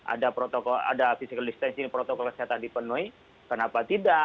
ada physical distancing protokol kesehatan dipenuhi kenapa tidak